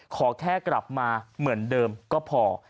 ขอแค่กลับมาเหมือนเดิมก็พอ